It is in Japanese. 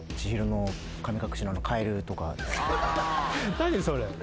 何それ？